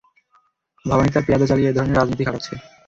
ভবানী তার পেয়াদা চালিয়ে এধরণের রাজনীতি খাটাচ্ছে।